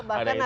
iya nah itu